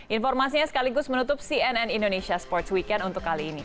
informasinya sekaligus menutup cnn indonesia sports weekend untuk kali ini